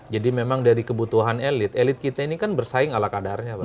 jadi memang dari kebutuhan elit elit kita ini kan bersaing ala kadarnya